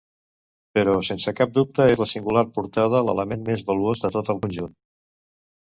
Però sense cap dubte, és la singular portada l'element més valuós de tot el conjunt.